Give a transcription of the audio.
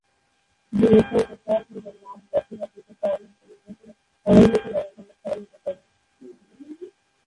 দীর্ঘস্থায়ী প্রত্যাহার সিন্ড্রোম মাস, বছর, বা পৃথক কারণের উপর নির্ভর করে অনির্দিষ্টকালের জন্য স্থায়ী হতে পারে।